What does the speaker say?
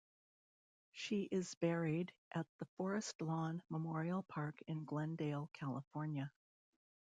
She is buried at the Forest Lawn Memorial Park in Glendale, California.